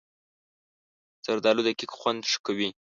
زردالو د کیک خوند ښه کوي.